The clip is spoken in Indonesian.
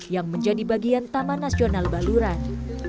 yang menjadi bagian taman nasional baluran